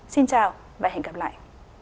xin chào và hẹn gặp lại